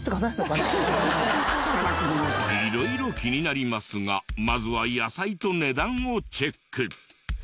色々気になりますがまずは野菜と値段をチェック。